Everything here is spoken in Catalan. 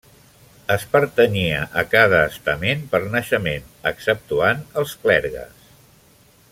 Es pertanyia a cada estament per naixement, exceptuant els clergues.